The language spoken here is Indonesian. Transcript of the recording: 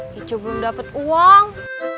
gitu belum dapet uang